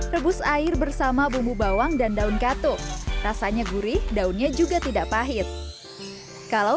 rebus air bersama bumbu bawang dan daun katuk rasanya gurih daunnya juga tidak pahit kalau